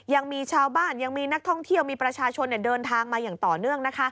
ยังมีชาวบ้านยังมีนักท่องเที่ยวมีประชาชนเดินทางมาอย่างต่อเนื่อง